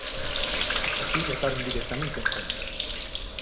Aquí votaron directamente en contra.